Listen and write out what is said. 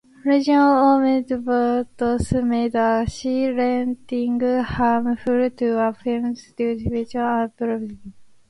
Legion-organized boycotts made a C rating harmful to a film's distribution and profitability.